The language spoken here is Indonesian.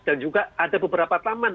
dan juga ada beberapa taman